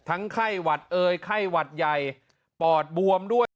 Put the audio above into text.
ไข้หวัดเอยไข้หวัดใหญ่ปอดบวมด้วย